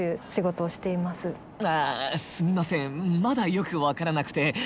まだよく分からなくて。